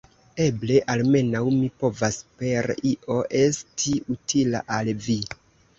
Eble almenaŭ mi povas per io esti utila al vi.